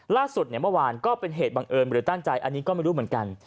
ล่าสุดเนี่ยเมื่อวานก็เป็นเหตุบังเอิญหรือตั้งใจอันนี้ก็ไม่รู้เหมือนกัน